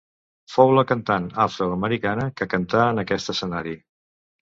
Fou la cantant afro-americana que cantà en aquest escenari.